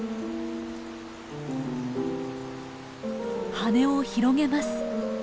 羽を広げます。